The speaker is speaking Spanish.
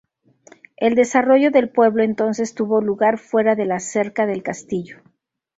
El desarrollo del pueblo entonces tuvo lugar fuera de la cerca del castillo.